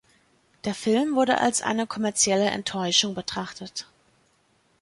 Der Film wurde als eine kommerzielle Enttäuschung betrachtet.